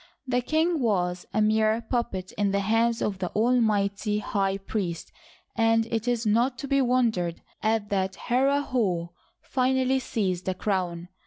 The king was a mere puppet in the hands of the almighty high priest, and it is not to be wondered at that Herihor finally seized the crown.